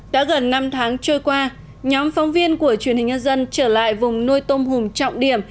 đã gần năm tháng trôi qua nhóm phóng viên của truyền hình nhân dân trở lại vùng nuôi tôm hùm trọng điểm